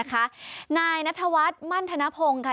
นะคะนายนัทวัฒน์มั่นธนพงค่ะ